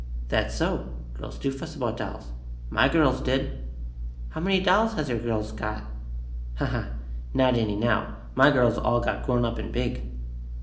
"That's so. Girls do fuss about dolls. My girls did." "How many dolls has your girls got?" "Ha, ha! Not any, now. My girls all got grown up and big."